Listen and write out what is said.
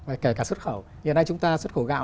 và kể cả xuất khẩu hiện nay chúng ta xuất khẩu gạo